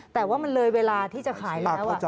แต่ว่ามันเลยเวลาที่จะขายแล้ว